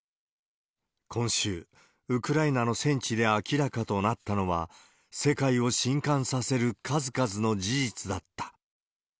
今週、ウクライナの戦地で明らかとなったのは、世界をしんかんさせる数々の事実だった。